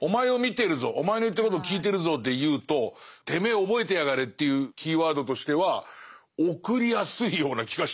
お前を見てるぞお前の言ってることを聞いてるぞでいうとてめえ覚えてやがれっていうキーワードとしては送りやすいような気がしてきた。